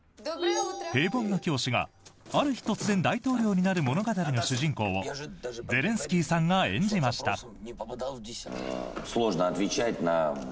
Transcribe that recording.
平凡な教師が、ある日突然大統領になる物語の主人公をゼレンスキーさんが演じました。